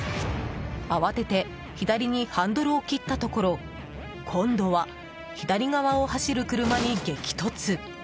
慌てて左にハンドルを切ったところ今度は左側を走る車に激突。